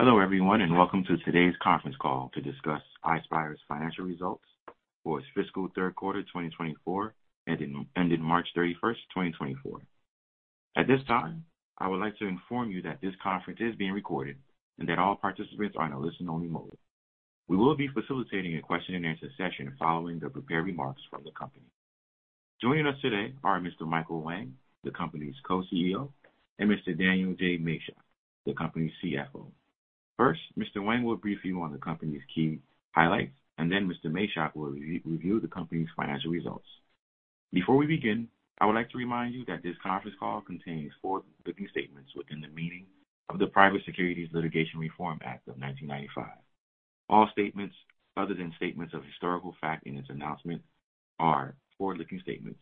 Hello, everyone, and welcome to today's conference call to discuss Ispire's financial results for its fiscal third quarter, 2024, ended March 31, 2024. At this time, I would like to inform you that this conference is being recorded and that all participants are in a listen-only mode. We will be facilitating a question-and-answer session following the prepared remarks from the company. Joining us today are Mr. Michael Wang, the company's co-CEO, and Mr. Daniel Machock, the company's CFO. First, Mr. Wang will brief you on the company's key highlights, and then Mr. Machock will review the company's financial results. Before we begin, I would like to remind you that this conference call contains forward-looking statements within the meaning of the Private Securities Litigation Reform Act of 1995. All statements other than statements of historical fact in this announcement are forward-looking statements.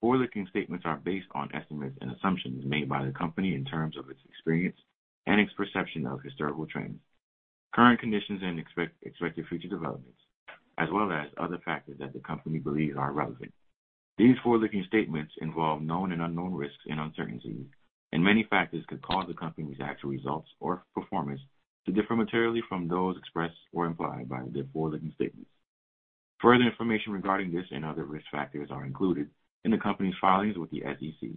Forward-looking statements are based on estimates and assumptions made by the company in terms of its experience and its perception of historical trends, current conditions, and expected future developments, as well as other factors that the company believes are relevant. These forward-looking statements involve known and unknown risks and uncertainties, and many factors could cause the company's actual results or performance to differ materially from those expressed or implied by the forward-looking statements. Further information regarding this and other risk factors are included in the company's filings with the SEC.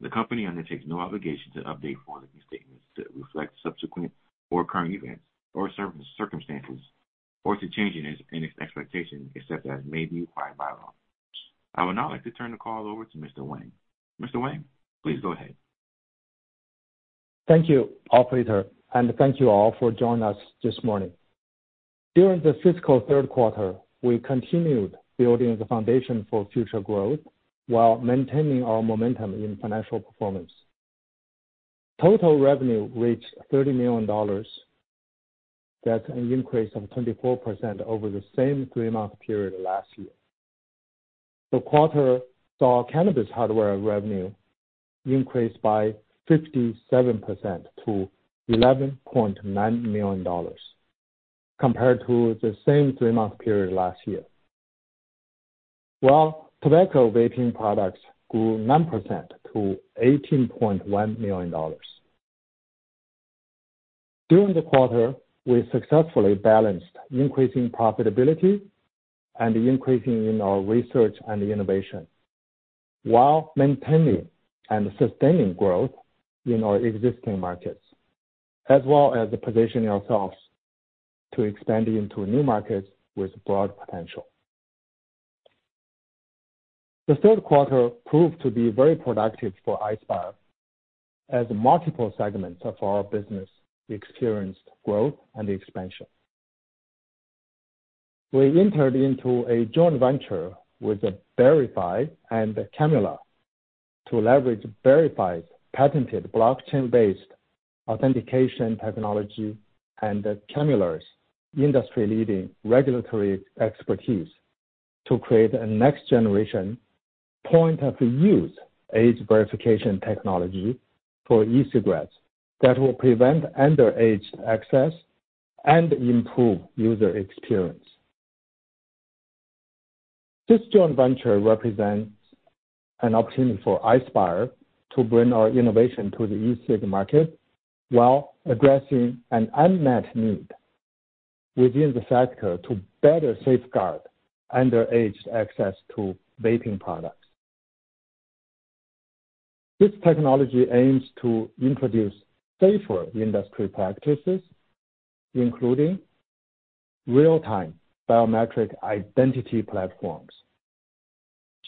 The company undertakes no obligation to update forward-looking statements to reflect subsequent or current events or circumstances, or to change in its expectations, except as may be required by law. I would now like to turn the call over to Mr. Wang. Mr. Wang, please go ahead. Thank you, operator, and thank you all for joining us this morning. During the fiscal third quarter, we continued building the foundation for future growth while maintaining our momentum in financial performance. Total revenue reached $30 million. That's an increase of 24% over the same three-month period last year. The quarter saw cannabis hardware revenue increase by 57% to $11.9 million, compared to the same three-month period last year. While tobacco vaping products grew 9% to $18.1 million. During the quarter, we successfully balanced increasing profitability and increasing in our research and innovation, while maintaining and sustaining growth in our existing markets, as well as positioning ourselves to expand into new markets with broad potential. The third quarter proved to be very productive for Ispire, as multiple segments of our business experienced growth and expansion. We entered into a joint venture with Berify and Chemular to leverage Berify's patented blockchain-based authentication technology and Chemular's industry-leading regulatory expertise to create a next-generation point of use age verification technology for e-cigarettes that will prevent underage access and improve user experience. This joint venture represents an opportunity for Ispire to bring our innovation to the e-cig market while addressing an unmet need within the sector to better safeguard underage access to vaping products. This technology aims to introduce safer industry practices, including real-time biometric identity platforms,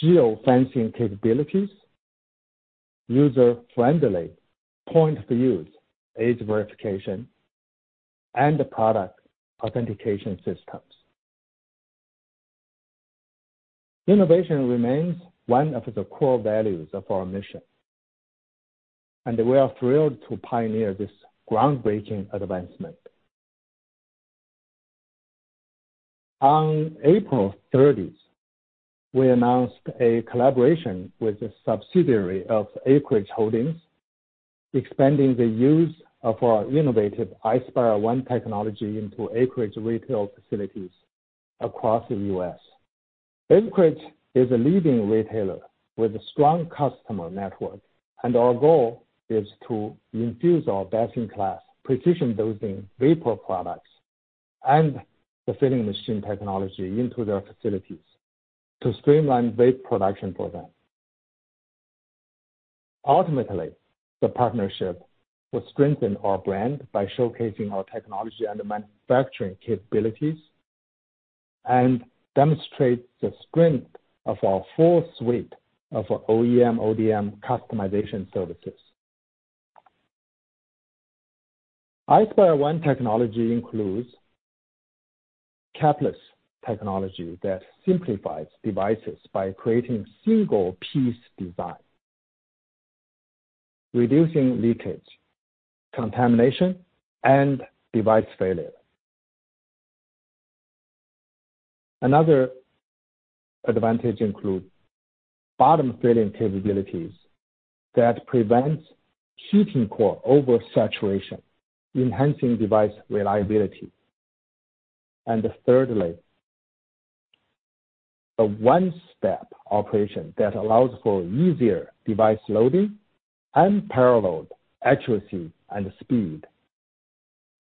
geo-fencing capabilities, user-friendly point of use age verification, and product authentication systems. Innovation remains one of the core values of our mission, and we are thrilled to pioneer this groundbreaking advancement. On April thirtieth, we announced a collaboration with a subsidiary of Acreage Holdings, expanding the use of our innovative Ispire ONE technology into Acreage retail facilities across the US. Acreage is a leading retailer with a strong customer network, and our goal is to infuse our best-in-class precision dosing vapor products and the filling machine technology into their facilities to streamline vape production for them. Ultimately, the partnership will strengthen our brand by showcasing our technology and manufacturing capabilities and demonstrate the strength of our full suite of OEM, ODM customization services. Ispire ONE technology includes capless technology that simplifies devices by creating single-piece design, reducing leakage, contamination, and device failure. Another advantage includes bottom filling capabilities that prevent heating core oversaturation, enhancing device reliability. Thirdly, a one-step operation that allows for easier device loading, unparalleled accuracy and speed,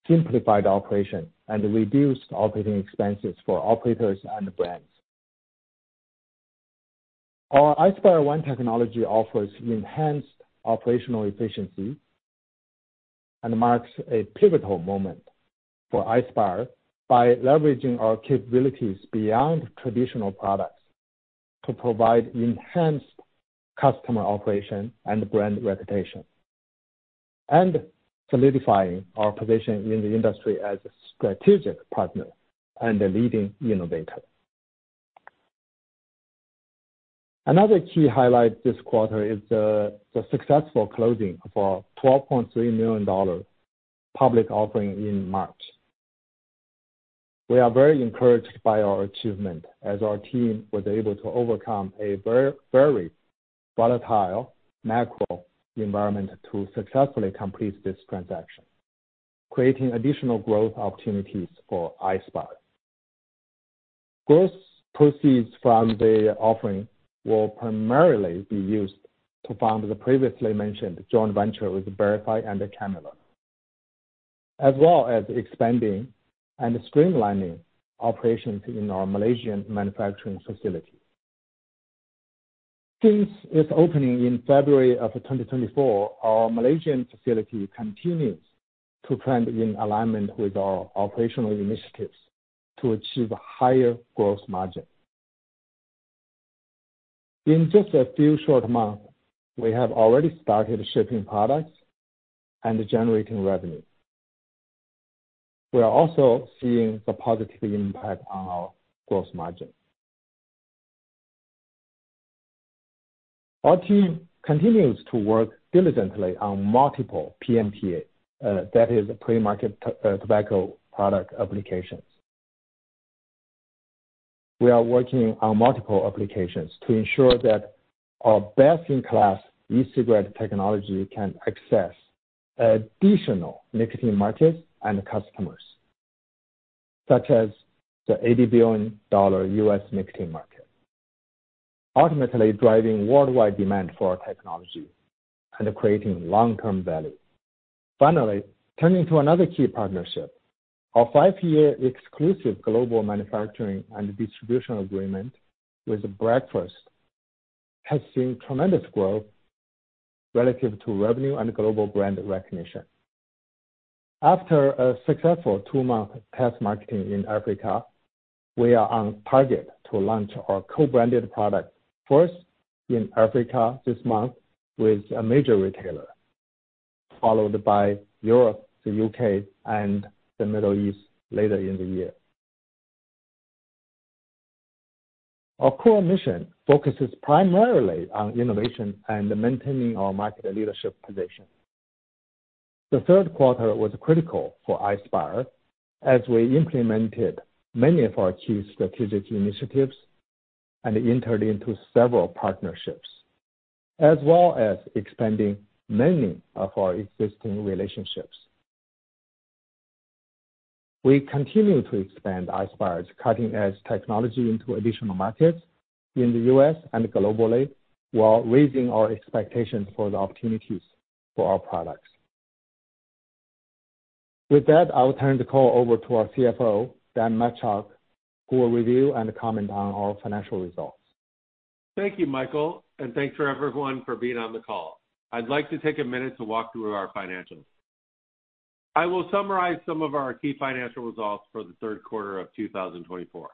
simplified operation, and reduced operating expenses for operators and brands. Our Ispire ONE technology offers enhanced operational efficiency and marks a pivotal moment for Ispire by leveraging our capabilities beyond traditional products to provide enhanced customer operation and brand reputation, and solidifying our position in the industry as a strategic partner and a leading innovator. Another key highlight this quarter is the successful closing of our $12.3 million public offering in March. We are very encouraged by our achievement, as our team was able to overcome a very, very volatile macro environment to successfully complete this transaction, creating additional growth opportunities for Ispire. Gross proceeds from the offering will primarily be used to fund the previously mentioned joint venture with Berify and Chemular, as well as expanding and streamlining operations in our Malaysian manufacturing facility. Since its opening in February of 2024, our Malaysian facility continues to trend in alignment with our operational initiatives to achieve higher gross margin. In just a few short months, we have already started shipping products and generating revenue. We are also seeing the positive impact on our gross margin. Our team continues to work diligently on multiple PMTA, that is a pre-market tobacco product applications. We are working on multiple applications to ensure that our best-in-class e-cigarette technology can access additional nicotine markets and customers, such as the $80 billion US nicotine market, ultimately driving worldwide demand for our technology and creating long-term value. Finally, turning to another key partnership. Our five-year exclusive global manufacturing and distribution agreement with BRKFST has seen tremendous growth relative to revenue and global brand recognition. After a successful 2-month test marketing in Africa, we are on target to launch our co-branded product first in Africa this month with a major retailer, followed by Europe, the U.K., and the Middle East later in the year. Our core mission focuses primarily on innovation and maintaining our market leadership position. The third quarter was critical for Ispire, as we implemented many of our key strategic initiatives and entered into several partnerships, as well as expanding many of our existing relationships. We continue to expand Ispire's cutting-edge technology into additional markets in the U.S. and globally, while raising our expectations for the opportunities for our products. With that, I will turn the call over to our CFO, Dan Machock, who will review and comment on our financial results. Thank you, Michael, and thanks for everyone for being on the call. I'd like to take a minute to walk through our financials. I will summarize some of our key financial results for the third quarter of 2024.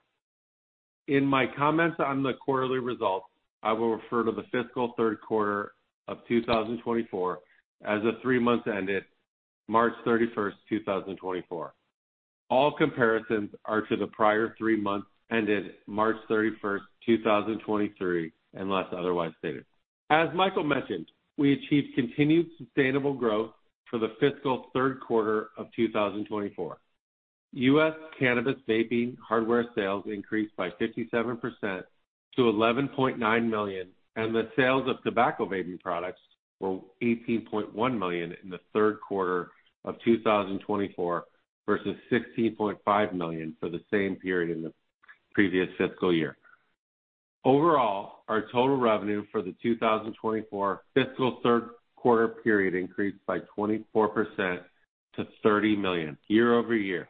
In my comments on the quarterly results, I will refer to the fiscal third quarter of 2024 as the three months ended March 31, 2024. All comparisons are to the prior three months, ended March 31, 2023, unless otherwise stated. As Michael mentioned, we achieved continued sustainable growth for the fiscal third quarter of 2024. US cannabis vaping hardware sales increased by 57% to $11.9 million, and the sales of tobacco vaping products were $18.1 million in the third quarter of 2024, versus $16.5 million for the same period in the previous fiscal year. Overall, our total revenue for the 2024 fiscal third quarter period increased by 24% to $30 million year-over-year.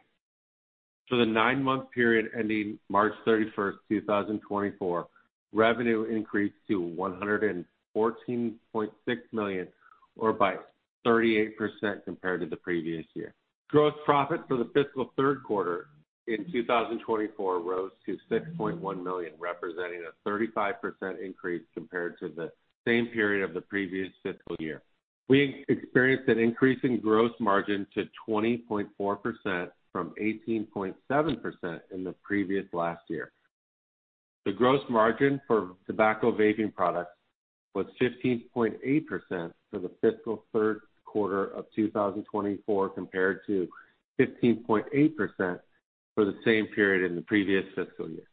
For the nine-month period ending March 31, 2024, revenue increased to $114.6 million, or by 38% compared to the previous year. Gross profit for the fiscal third quarter in 2024 rose to $6.1 million, representing a 35% increase compared to the same period of the previous fiscal year. We experienced an increase in gross margin to 20.4% from 18.7% in the previous last year. The gross margin for tobacco vaping products was 15.8% for the fiscal third quarter of 2024, compared to 15.8% for the same period in the previous fiscal year.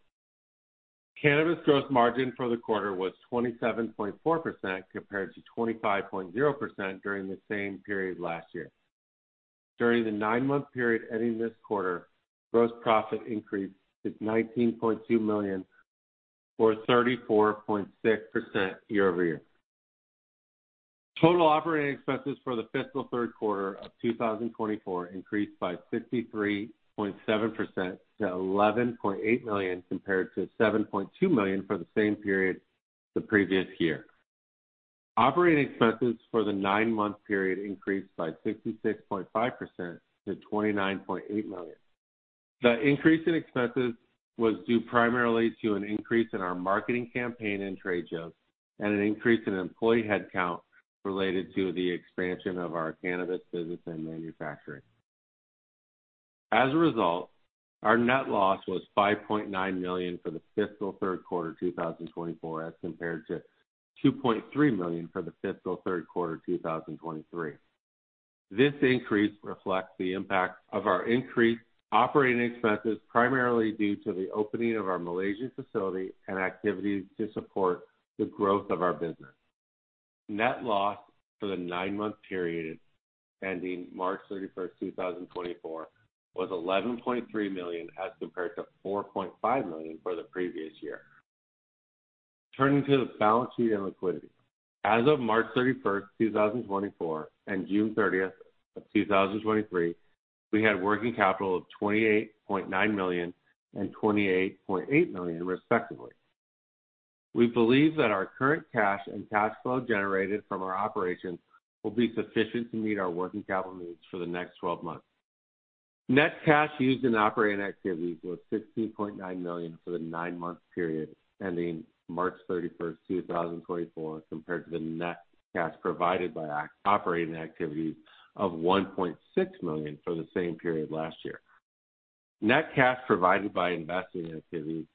Cannabis gross margin for the quarter was 27.4%, compared to 25.0% during the same period last year. During the nine-month period ending this quarter, gross profit increased to $19.2 million, or 34.6% year-over-year. Total operating expenses for the fiscal third quarter of 2024 increased by 63.7% to $11.8 million, compared to $7.2 million for the same period the previous year. Operating expenses for the nine-month period increased by 66.5% to $29.8 million. The increase in expenses was due primarily to an increase in our marketing campaign and trade shows and an increase in employee headcount related to the expansion of our cannabis business and manufacturing. As a result, our net loss was $5.9 million for the fiscal third quarter 2024, as compared to $2.3 million for the fiscal third quarter 2023. This increase reflects the impact of our increased operating expenses, primarily due to the opening of our Malaysian facility and activities to support the growth of our business. Net loss for the nine-month period ending March 31, 2024, was $11.3 million, as compared to $4.5 million for the previous year. Turning to the balance sheet and liquidity. As of March 31, 2024, and June 30, 2023, we had working capital of $28.9 million and $28.8 million, respectively. We believe that our current cash and cash flow generated from our operations will be sufficient to meet our working capital needs for the next 12 months. Net cash used in operating activities was $16.9 million for the 9-month period ending March 31, 2024, compared to the net cash provided by operating activities of $1.6 million for the same period last year. Net cash provided by investing activities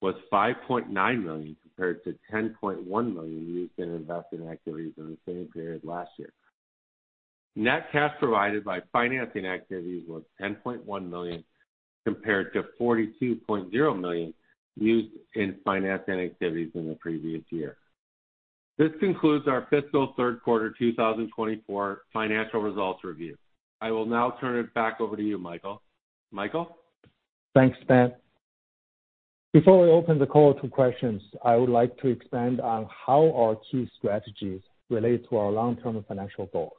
was $5.9 million, compared to $10.1 million used in investing activities in the same period last year. Net cash provided by financing activities was $10.1 million, compared to $42.0 million used in financing activities in the previous year. This concludes our fiscal third quarter 2024 financial results review. I will now turn it back over to you, Michael. Michael? Thanks, Dan. Before we open the call to questions, I would like to expand on how our key strategies relate to our long-term financial goals.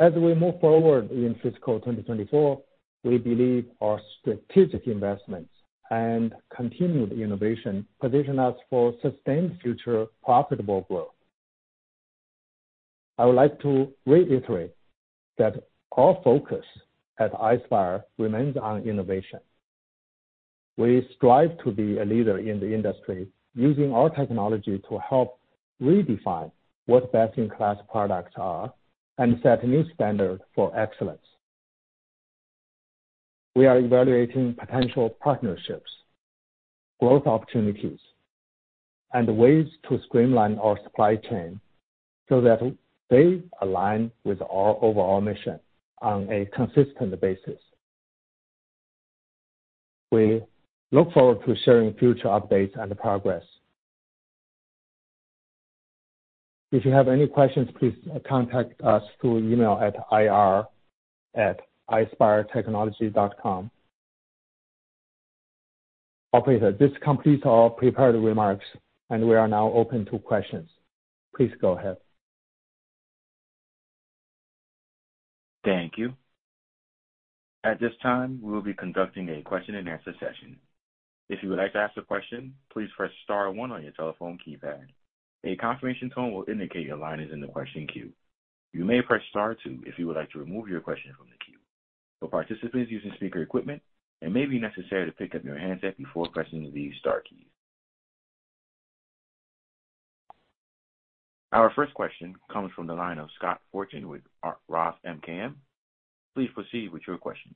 As we move forward in fiscal 2024, we believe our strategic investments and continued innovation position us for sustained future profitable growth. I would like to reiterate that our focus at Ispire remains on innovation. We strive to be a leader in the industry, using our technology to help redefine what best-in-class products are and set a new standard for excellence. We are evaluating potential partnerships, growth opportunities, and ways to streamline our supply chain so that they align with our overall mission on a consistent basis. We look forward to sharing future updates and progress. If you have any questions, please contact us through email at ir@ispiretechnologies.com. Operator, this completes our prepared remarks, and we are now open to questions. Please go ahead. Thank you. At this time, we will be conducting a question-and-answer session. If you would like to ask a question, please press star one on your telephone keypad. A confirmation tone will indicate your line is in the question queue. You may press star two if you would like to remove your question from the queue. For participants using speaker equipment, it may be necessary to pick up your handset before pressing the star key. Our first question comes from the line of Scott Fortune with Roth MKM. Please proceed with your question.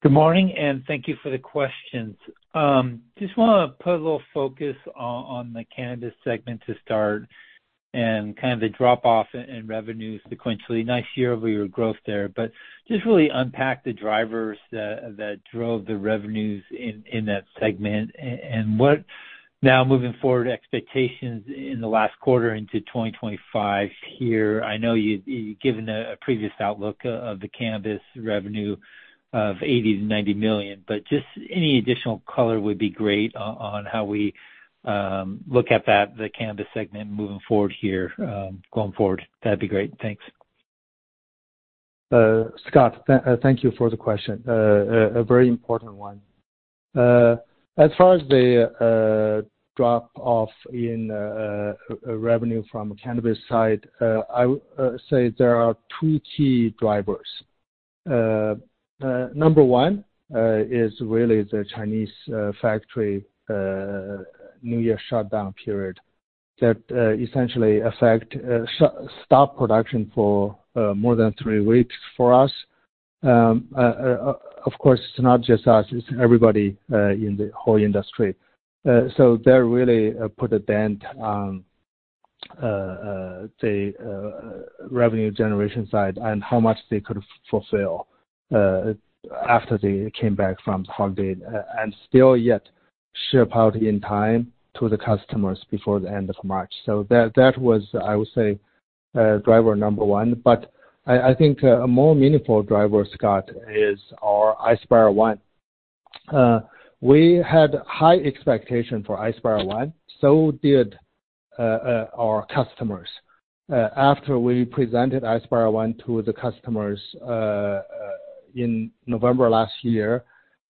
Good morning, and thank you for the questions. Just want to put a little focus on, on the cannabis segment to start and kind of the drop-off in revenues sequentially. Nice year-over-year growth there, but just really unpack the drivers that, that drove the revenues in, in that segment. And what now moving forward expectations in the last quarter into 2025 here? I know you, you've given a, a previous outlook of the cannabis revenue of $80 million-$90 million, but just any additional color would be great on, on how we look at that, the cannabis segment moving forward here, going forward, that'd be great. Thanks. Scott, thank you for the question. A very important one. As far as the drop-off in revenue from the cannabis side, I would say there are two key drivers. Number one is really the Chinese factory New Year shutdown period that essentially affect stop production for more than three weeks for us. Of course, it's not just us, it's everybody in the whole industry. So that really put a dent on the revenue generation side and how much they could fulfill after they came back from holiday. And still yet ship out in time to the customers before the end of March. So that, that was, I would say, driver number one. But I think a more meaningful driver, Scott, is our Ispire ONE. We had high expectation for Ispire ONE, so did our customers. After we presented Ispire ONE to the customers in November last year,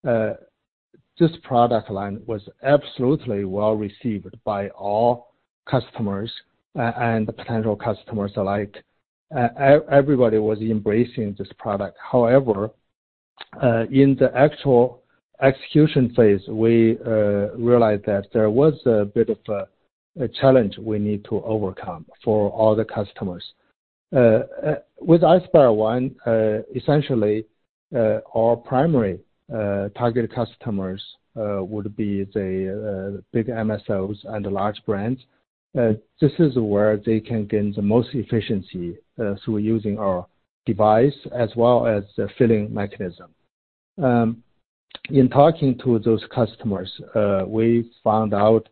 this product line was absolutely well received by all customers and potential customers alike. Everybody was embracing this product. However, in the actual execution phase, we realized that there was a bit of a challenge we need to overcome for all the customers. With Ispire ONE, essentially, our primary target customers would be the big MSOs and the large brands. This is where they can gain the most efficiency through using our device as well as the filling mechanism. In talking to those customers, we found out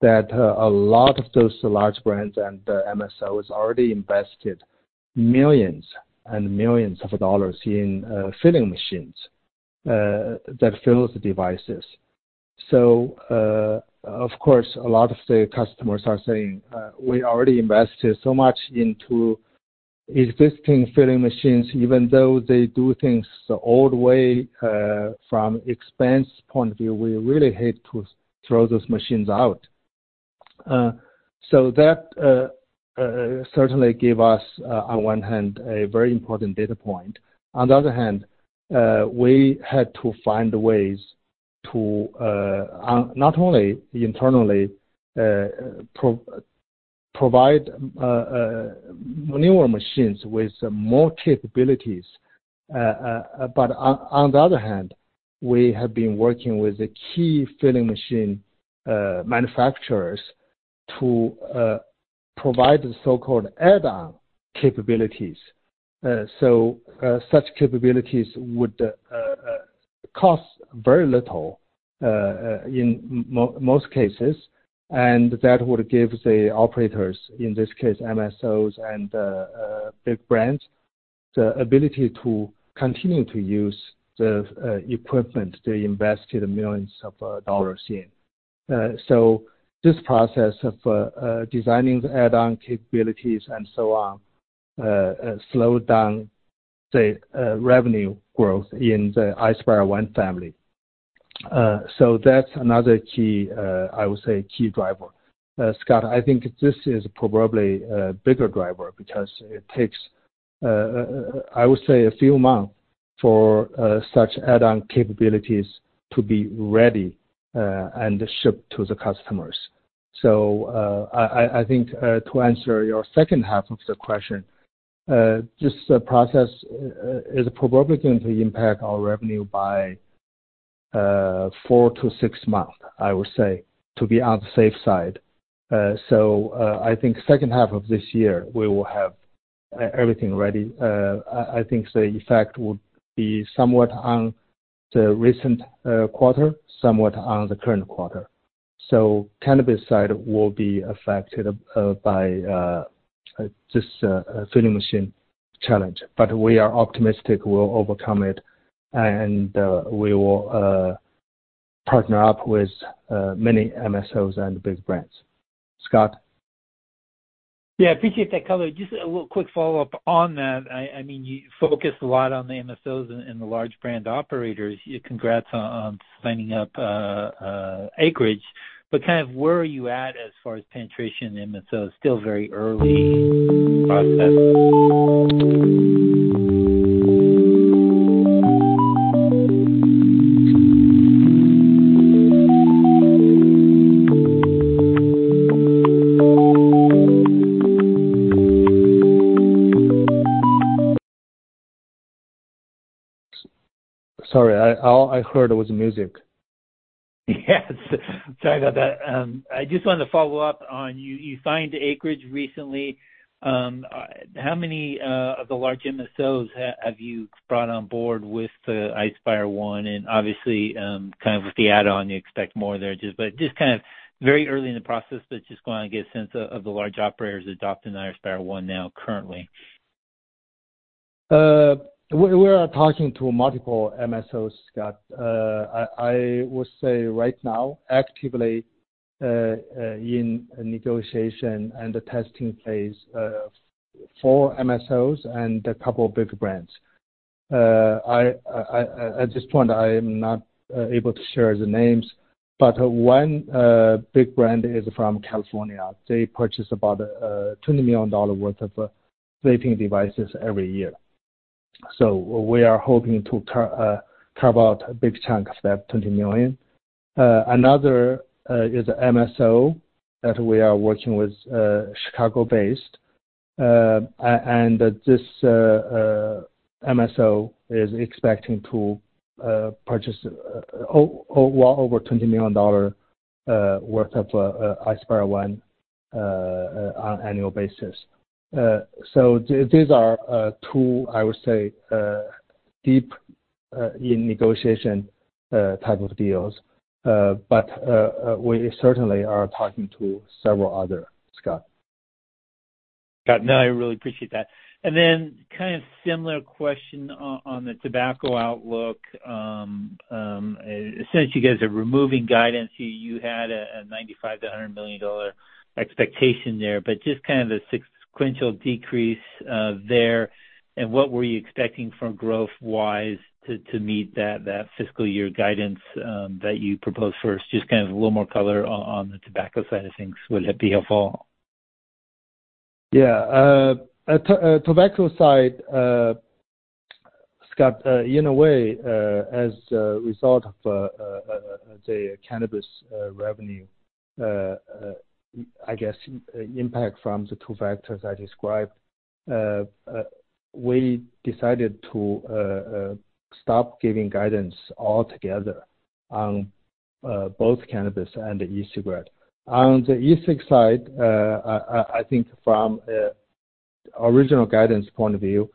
that a lot of those large brands and the MSOs already invested millions and millions of dollars in filling machines that fills the devices. So, of course, a lot of the customers are saying, "We already invested so much into existing filling machines, even though they do things the old way, from expense point of view, we really hate to throw those machines out." So that certainly gave us, on one hand, a very important data point. On the other hand, we had to find ways to not only internally provide newer machines with more capabilities. But on the other hand, we have been working with the key filling machine manufacturers to provide the so-called add-on capabilities. So, such capabilities would cost very little in most cases, and that would give the operators, in this case, MSOs and big brands, the ability to continue to use the equipment they invested millions of dollars in. So this process of designing the add-on capabilities and so on slowed down the revenue growth in the Ispire ONE family. So that's another key, I would say, key driver. Scott, I think this is probably a bigger driver because it takes, I would say, a few months for such add-on capabilities to be ready and shipped to the customers. So, I think to answer your second half of the question, this process is probably going to impact our revenue by 4-6 months, I would say, to be on the safe side. So, I think second half of this year, we will have everything ready. I think the effect would be somewhat on the recent quarter, somewhat on the current quarter. So cannabis side will be affected by just a filling machine challenge. But we are optimistic we'll overcome it, and we will partner up with many MSOs and big brands. Scott? Yeah, I appreciate that color. Just a little quick follow-up on that. I mean, you focus a lot on the MSOs and the large brand operators. Congrats on signing up Acreage. But kind of where are you at as far as penetration in MSOs? Still very early process. Sorry, all I heard was music. Yes, sorry about that. I just wanted to follow up on you. You signed Acreage recently. How many of the large MSOs have you brought on board with the Ispire One? And obviously, kind of with the add-on, you expect more there, just, but just kind of very early in the process, but just want to get a sense of, of the large operators adopting the Ispire ONE now currently. We are talking to multiple MSOs, Scott. I would say right now, actively, in negotiation and the testing phase, four MSOs and a couple of big brands. At this point, I am not able to share the names, but one big brand is from California. They purchase about $20 million worth of vaping devices every year. So we are hoping to carve out a big chunk of that $20 million. Another is MSO that we are working with, Chicago-based. And this MSO is expecting to purchase well over $20 million worth of Ispire ONE on annual basis. So these are two, I would say, deep in negotiation type of deals. We certainly are talking to several other, Scott. Got it. No, I really appreciate that. And then kind of similar question on the tobacco outlook. Essentially, you guys are removing guidance. You, you had a $95-$100 million expectation there, but just kind of the sequential decrease there, and what were you expecting from growth-wise to meet that fiscal year guidance that you proposed first? Just kind of a little more color on the tobacco side of things, would it be helpful? Yeah. To the tobacco side, Scott, in a way, as a result of the cannabis revenue, I guess, impact from the two factors I described, we decided to stop giving guidance altogether on both cannabis and the e-cigarette. On the e-cig side, I think from original guidance point of view,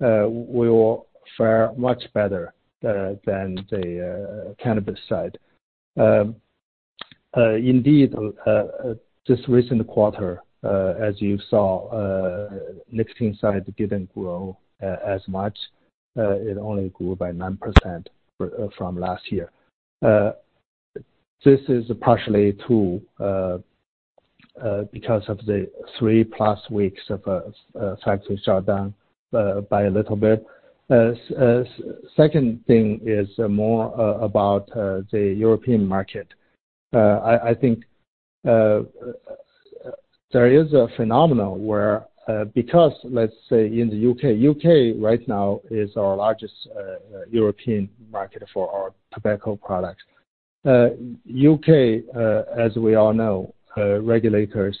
we will fare much better than the cannabis side. Indeed, just recent quarter, as you saw, nicotine side didn't grow as much. It only grew by 9% from last year. This is partially because of the 3+ weeks of factory shutdown by a little bit. Second thing is more about the European market. I think there is a phenomenon where, because let's say in the UK, UK right now is our largest European market for our tobacco products. UK, as we all know, regulators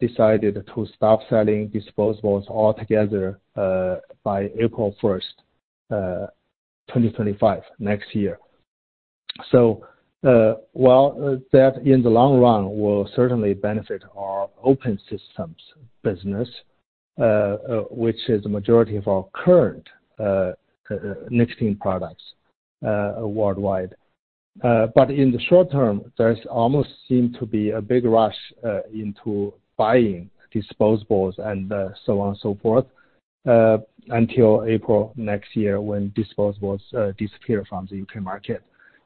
decided to stop selling disposables altogether, by April 1, 2025, next year. So, while that in the long run will certainly benefit our open systems business, which is the majority of our current nicotine products, worldwide. But in the short term, there's almost seem to be a big rush into buying disposables and, so on and so forth, until April next year, when disposables disappear from the UK market.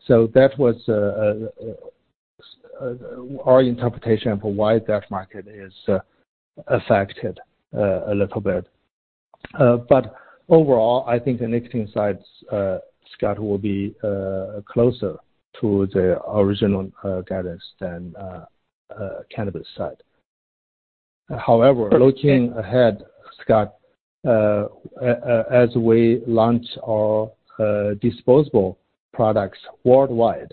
So that was our interpretation for why that market is affected a little bit. But overall, I think the nicotine sides, Scott, will be closer to the original guidance than the cannabis side. However, looking ahead, Scott, as we launch our disposable products worldwide,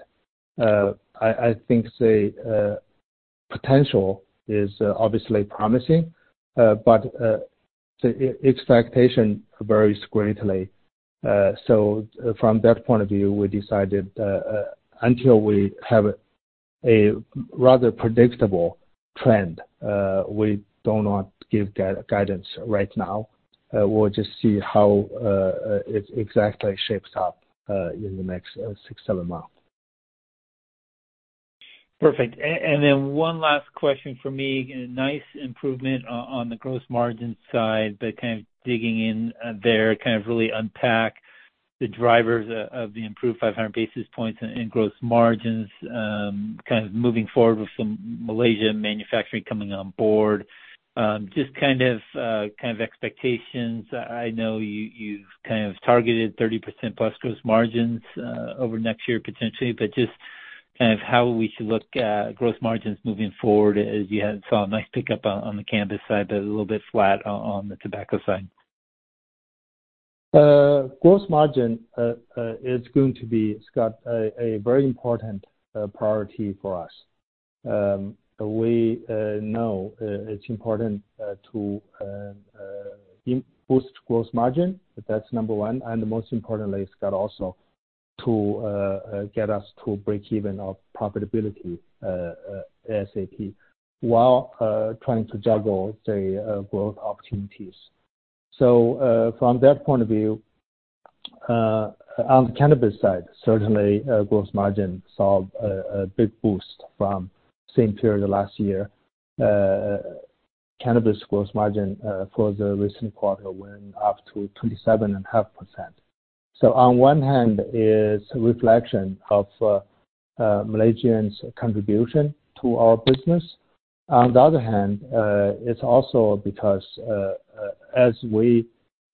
I think the potential is obviously promising, but the expectation varies greatly. So from that point of view, we decided until we have a rather predictable trend, we do not give guidance right now. We'll just see how it exactly shapes up in the next 6-7 months. Perfect. And then one last question for me. Nice improvement on the gross margin side, but kind of digging in there, kind of really unpack the drivers of the improved 500 basis points in gross margins, kind of moving forward with some Malaysia manufacturing coming on board. Just kind of kind of expectations. I know you, you've kind of targeted 30% plus gross margins over next year, potentially, but just kind of how we should look at gross margins moving forward, as you had saw a nice pickup on the cannabis side, but a little bit flat on the tobacco side. Gross margin is going to be, Scott, a very important priority for us. We know it's important to boost gross margin. That's number one, and most importantly, Scott, also, to get us to break even on profitability ASAP, while trying to juggle the growth opportunities. So, from that point of view, on the cannabis side, certainly, gross margin saw a big boost from same period last year. Cannabis gross margin for the recent quarter went up to 27.5%. So on one hand it's a reflection of Malaysia's contribution to our business. On the other hand, it's also because, as we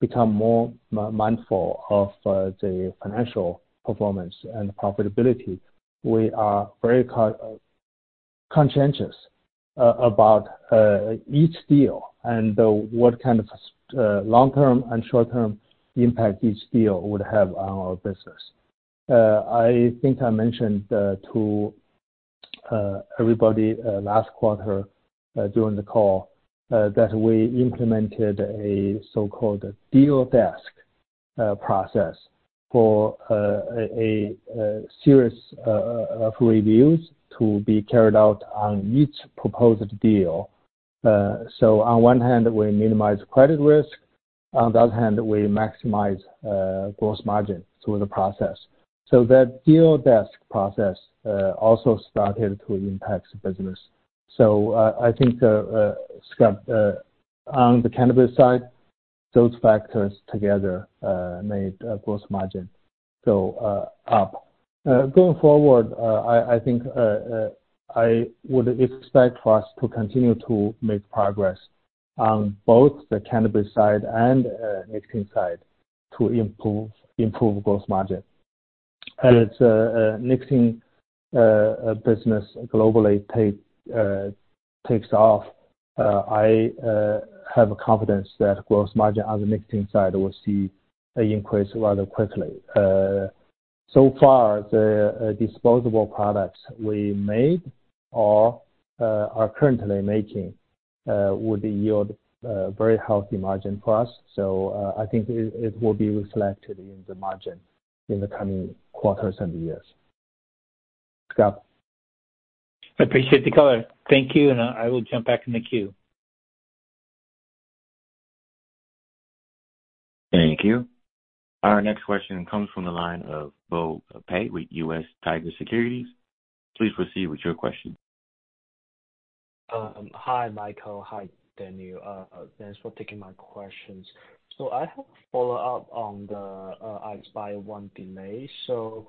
become more mindful of the financial performance and profitability, we are very conscientious about each deal and what kind of long-term and short-term impact each deal would have on our business. I think I mentioned to everybody last quarter during the call that we implemented a so-called deal desk process for a series of reviews to be carried out on each proposed deal. So on one hand, we minimize credit risk. On the other hand, we maximize gross margin through the process. So that deal desk process also started to impact business. So, I think, Scott, on the cannabis side, those factors together made gross margin go up. Going forward, I think I would expect for us to continue to make progress on both the cannabis side and nicotine side to improve gross margin. And as nicotine business globally takes off, I have confidence that gross margin on the nicotine side will see an increase rather quickly. So far, the disposable products we made or are currently making would yield a very healthy margin for us. So, I think it will be reflected in the margin in the coming quarters and years. Scott? I appreciate the color. Thank you, and I will jump back in the queue. Thank you. Our next question comes from the line of Bo Pei with US Tiger Securities. Please proceed with your question. Hi, Michael. Hi, Daniel. Thanks for taking my questions. So I have a follow-up on the Ispire ONE delay. So,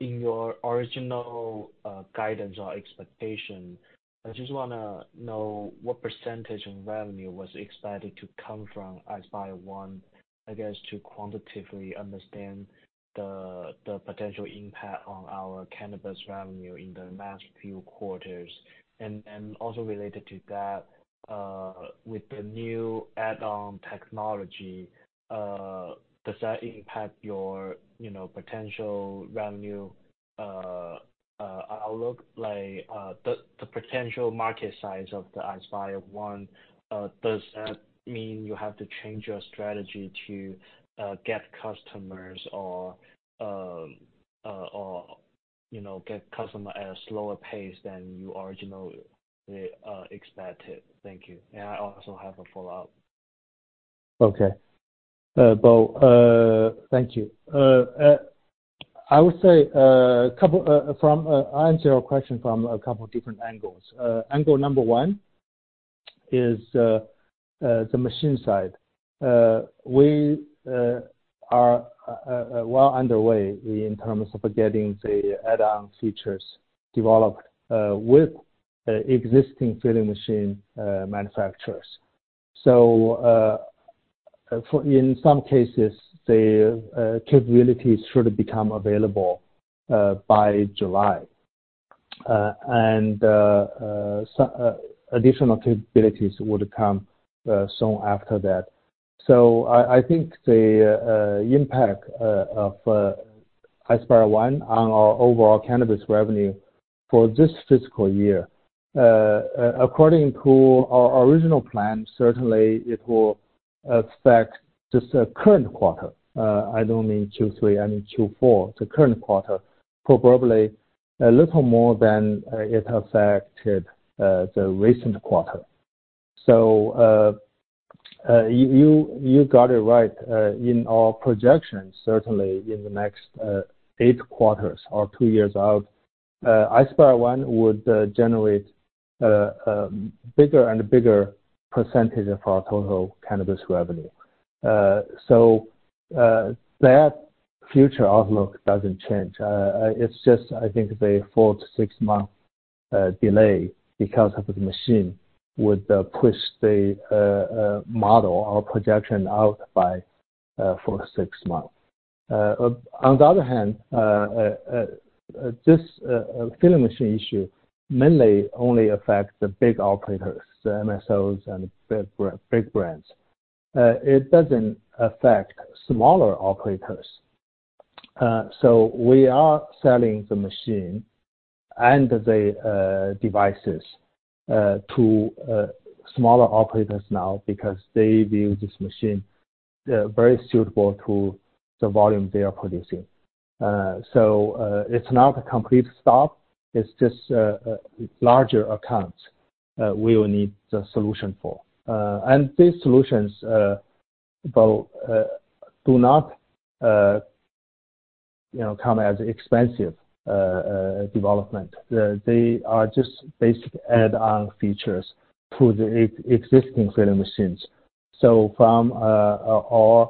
in your original guidance or expectation, I just wanna know what percentage of revenue was expected to come from Ispire ONE, I guess, to quantitatively understand the potential impact on our cannabis revenue in the next few quarters. And also related to that, with the new add-on technology, does that impact your, you know, potential revenue outlook? Like, the potential market size of the Ispire ONE, does that mean you have to change your strategy to get customers or, or, you know, get customer at a slower pace than you originally expected? Thank you. And I also have a follow-up. Okay. Bo, thank you. I'll answer your question from a couple different angles. Angle number one is the machine side. We are well underway in terms of getting the add-on features developed with existing filling machine manufacturers. So, in some cases, the capabilities should become available by July. And some additional capabilities would come soon after that. So I think the impact of Ispire ONE on our overall cannabis revenue for this fiscal year, according to our original plan, certainly it will affect just the current quarter. I don't mean Q3, I mean Q4, the current quarter, probably a little more than it affected the recent quarter. So, you got it right. In our projections, certainly in the next eight quarters or two years out, Ispire ONE would generate a bigger and bigger percentage of our total cannabis revenue. So, that future outlook doesn't change. It's just, I think the 4-6 month delay, because of the machine, would push the model or projection out by 4-6 months. On the other hand, this filling machine issue mainly only affects the big operators, the MSOs and the big brands. It doesn't affect smaller operators. So we are selling the machine and the devices to smaller operators now because they view this machine very suitable to the volume they are producing. So, it's not a complete stop, it's just larger accounts we will need the solution for. And these solutions, Bo, do not, you know, come as expensive development. They are just basic add-on features to the existing filling machines. So from our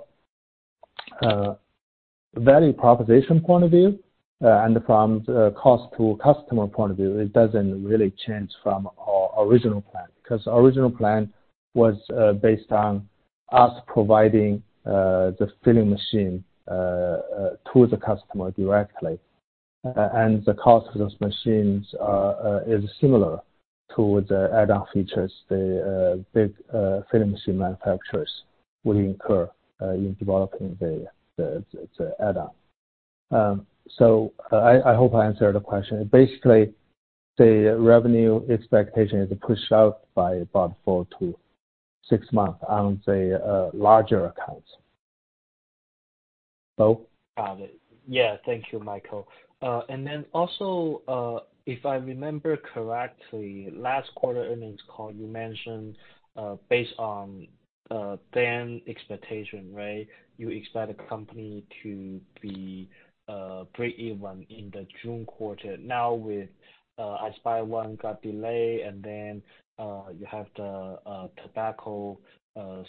value proposition point of view, and from the cost to customer point of view, it doesn't really change from our original plan, because original plan was based on us providing the filling machine to the customer directly. And the cost of those machines is similar to the add-on features the big filling machine manufacturers would incur in developing the add-on. So I hope I answered the question. Basically, the revenue expectation is pushed out by about 4-6 months on the larger accounts. Hello? Got it. Yeah, thank you, Michael. And then also, if I remember correctly, last quarter earnings call, you mentioned, based on, then expectation, right? You expect the company to be, breakeven in the June quarter. Now with, Ispire ONE got delayed, and then, you have the, tobacco,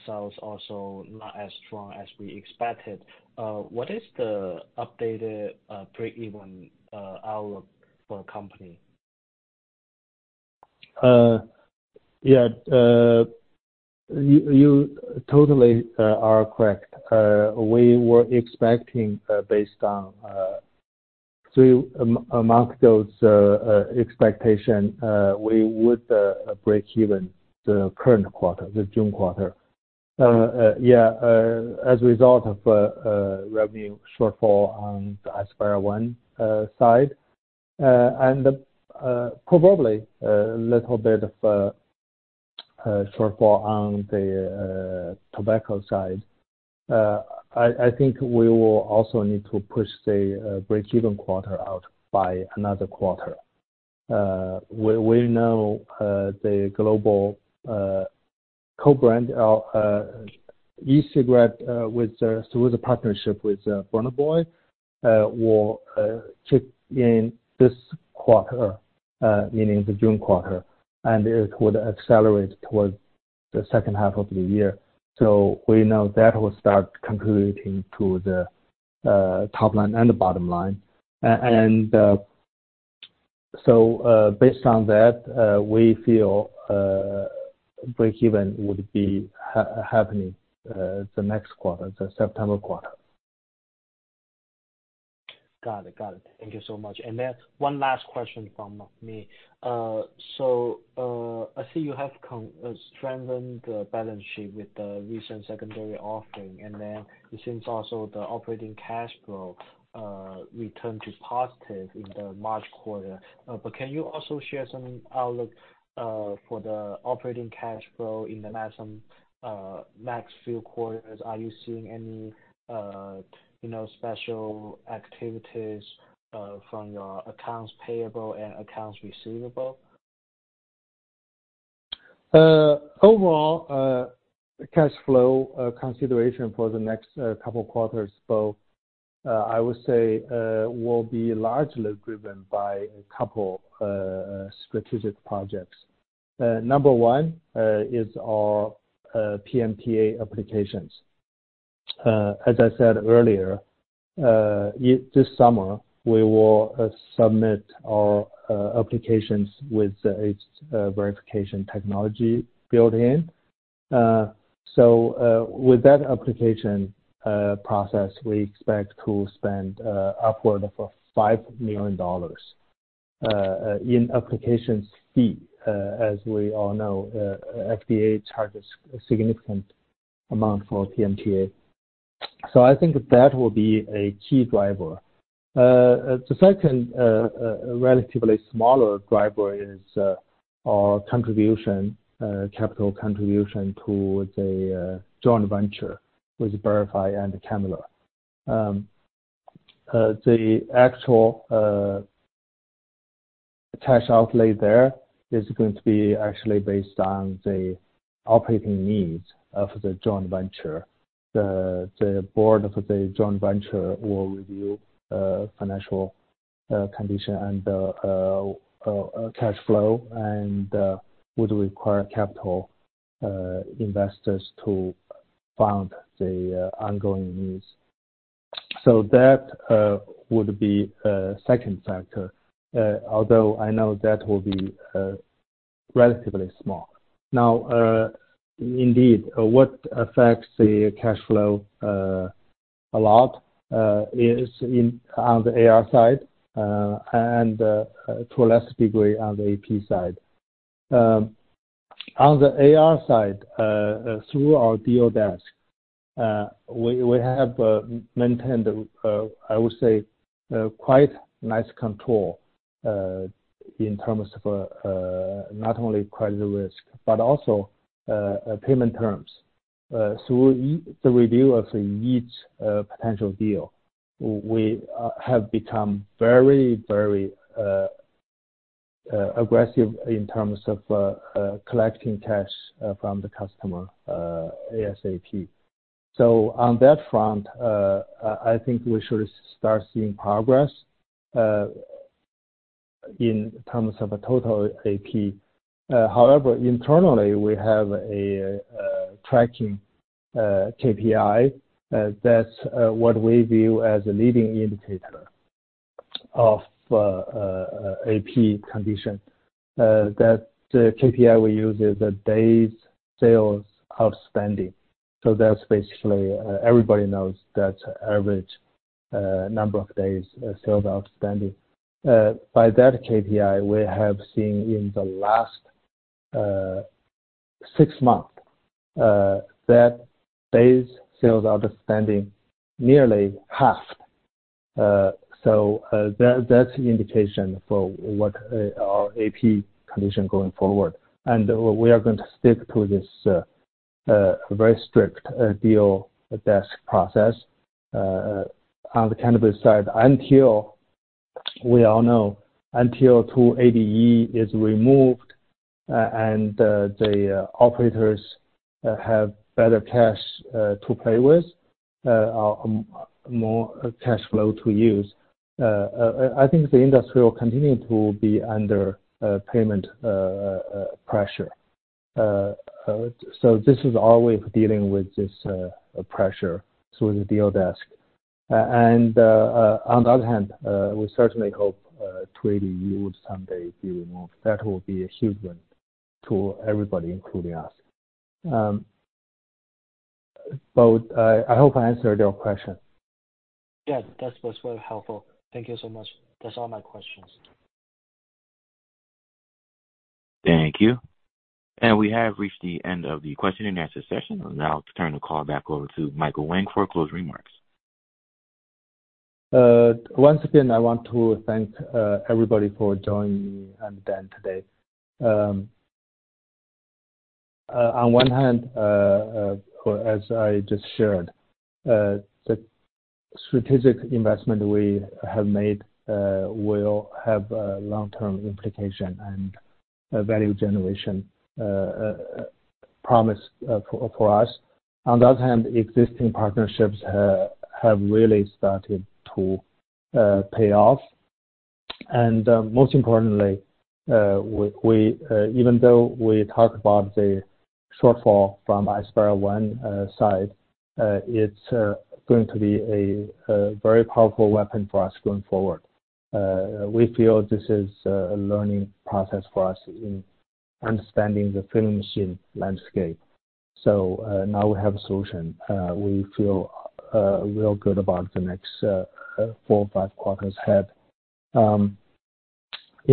sales also not as strong as we expected. What is the updated, breakeven, outlook for the company? Yeah. You totally are correct. We were expecting, based on so among those expectations, we would break even the current quarter, the June quarter. Yeah, as a result of revenue shortfall on the Ispire ONE side and probably a little bit of shortfall on the tobacco side. I think we will also need to push the breakeven quarter out by another quarter. We know the global co-branded e-cigarette through the partnership with Burna Boy will kick in this quarter, meaning the June quarter, and it would accelerate towards the second half of the year. So we know that will start contributing to the top line and the bottom line. And so, based on that, we feel breakeven would be happening the next quarter, the September quarter. Got it. Got it. Thank you so much. And then one last question from me. So, I see you have strengthened the balance sheet with the recent secondary offering, and then it seems also the operating cash flow returned to positive in the March quarter. But can you also share some outlook for the operating cash flow in the next few quarters? Are you seeing any, you know, special activities from your accounts payable and accounts receivable? Overall, cash flow consideration for the next couple quarters, so I would say will be largely driven by a couple strategic projects. Number one is our PMTA applications. As I said earlier, this summer, we will submit our applications with its verification technology built in. So, with that application process, we expect to spend upward of $5 million in applications fee. As we all know, FDA charges a significant amount for PMTA. So I think that will be a key driver. The second, relatively smaller driver is our contribution, capital contribution to the joint venture with Berify and Camula. The actual cash outlay there is going to be actually based on the operating needs of the joint venture. The board of the joint venture will review financial condition and cash flow and would require capital investors to fund the ongoing needs. So that would be a second factor, although I know that will be relatively small. Now, indeed, what affects the cash flow a lot is on the AR side and to a lesser degree on the AP side. On the AR side, through our deal desk, we have maintained, I would say, quite nice control in terms of not only credit risk, but also payment terms. Through the review of each potential deal, we have become very, very aggressive in terms of collecting cash from the customer ASAP. So on that front, I think we should start seeing progress in terms of a total AP. However, internally, we have a tracking KPI that's what we view as a leading indicator of AP condition. That KPI we use is the Days Sales Outstanding. So that's basically everybody knows that average number of Days Sales Outstanding. By that KPI, we have seen in the last six months that Days Sales Outstanding nearly halved. So that's an indication for what our AP condition going forward. We are going to stick to this very strict deal desk process. On the cannabis side, until we all know, until 280E is removed, and the operators have better cash to play with, or more cash flow to use, I think the industry will continue to be under payment pressure. So this is our way of dealing with this pressure through the deal desk. On the other hand, we certainly hope 280E would someday be removed. That will be a huge win to everybody, including us. But I hope I answered your question. Yes, that was very helpful. Thank you so much. That's all my questions. Thank you. We have reached the end of the question and answer session. Now, to turn the call back over to Michael Wang for closing remarks. Once again, I want to thank everybody for joining me and Dan today. On one hand, as I just shared, the strategic investment we have made will have a long-term implication and a value generation promise for us. On the other hand, existing partnerships have really started to pay off. Most importantly, even though we talk about the shortfall from Ispire One side, it's going to be a very powerful weapon for us going forward. We feel this is a learning process for us in understanding the filling machine landscape. Now we have a solution. We feel real good about the next four, five quarters ahead. In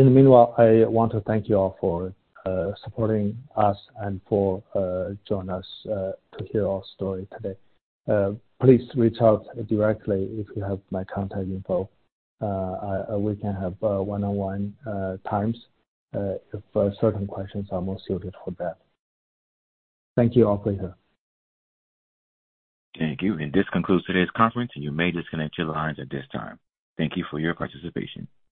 the meanwhile, I want to thank you all for supporting us and for join us to hear our story today. Please reach out directly if you have my contact info. We can have one-on-one times if certain questions are more suited for that. Thank you all for here. Thank you. This concludes today's conference, and you may disconnect your lines at this time. Thank you for your participation.